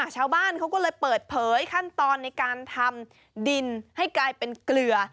ชาวบ้านเขาก็เลยเปิดเผยขั้นตอนในการทำดินให้กลายเป็นเกลือ